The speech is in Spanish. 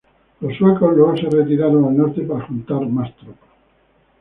Los suecos luego se retiraron al norte para juntar más tropas.